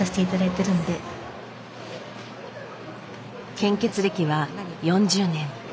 献血歴は４０年。